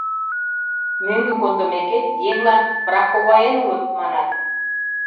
Мӧҥгӧ кондымекет, еҥлан «браковаен улыт» манат.